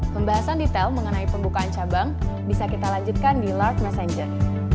pembahasan detail mengenai pembukaan cabang bisa kita lanjutkan di lark messenger